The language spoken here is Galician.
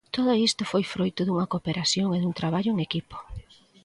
Todo isto foi froito dunha cooperación e dun traballo en equipo.